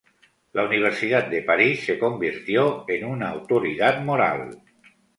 La Universidad de París se convirtió en una autoridad moral.